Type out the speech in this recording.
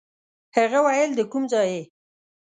هغه ویل د کوم ځای یې.